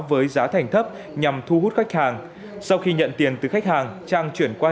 với giá thành thấp nhằm thu hút khách hàng sau khi nhận tiền từ khách hàng trang chuyển qua